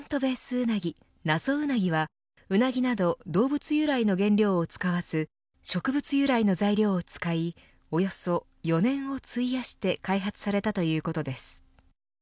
うなぎ謎うなぎはウナギなど動物由来の原料を使わず植物由来の材料を使いおよそ４年を費やして開発されたということです。